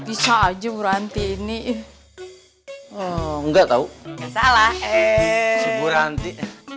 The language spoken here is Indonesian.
bisa aja bu ranti ini